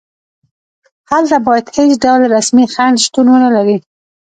هلته باید هېڅ ډول رسمي خنډ شتون ونلري.